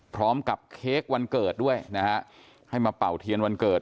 เค้กวันเกิดด้วยนะฮะให้มาเป่าเทียนวันเกิด